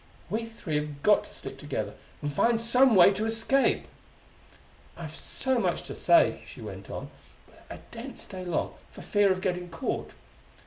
"We three have got to stick together, and find some way to escape! "I've so much to say!" she went on; "but I daren't stay long, for fear of getting caught.